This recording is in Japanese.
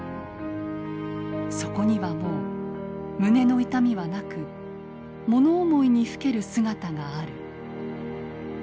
そこにはもう胸の痛みはなくもの思いにふける姿がある。